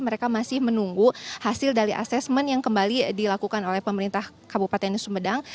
mereka masih menunggu hasil dari asesmen yang kembali dilakukan oleh pemerintah kabupaten sumedang